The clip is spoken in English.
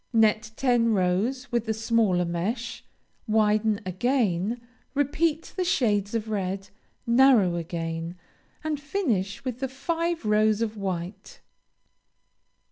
Net ten rows with the smaller mesh, widen again, repeat the shades of red, narrow again, and finish with the five rows of white.